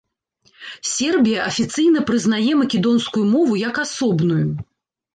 Сербія афіцыйна прызнае македонскую мову як асобную.